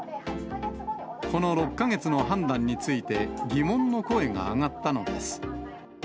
この６か月の判断について、疑問の声が上がったのです。